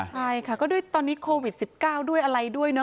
ใช่ค่ะก็ด้วยตอนนี้โควิด๑๙ด้วยอะไรด้วยเนอ